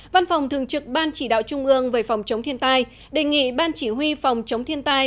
văn phòng thường trực ban chỉ đạo trung ương về phòng chống thiên tai đề nghị ban chỉ huy phòng chống thiên tai